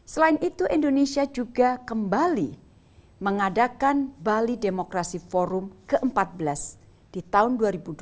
selain itu indonesia juga kembali mengadakan bali demokrasi forum ke empat belas di tahun dua ribu dua puluh tiga